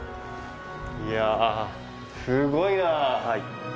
いやすごいな。